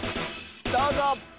どうぞ！